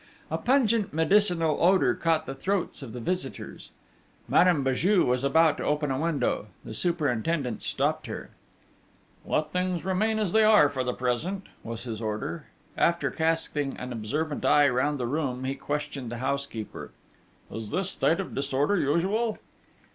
A pungent medicinal odour caught the throats of the visitors: Madame Béju was about to open a window: the superintendent stopped her: 'Let things remain as they are for the present,' was his order. After casting an observant eye round the room he questioned the housekeeper: 'Is this state of disorder usual?'